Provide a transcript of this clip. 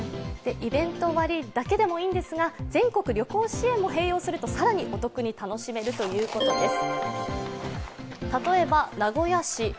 イベント割だけでもいいんですが全国旅行支援も併用すると、更にお得に楽しめるということです。